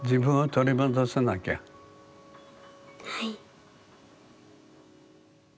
はい。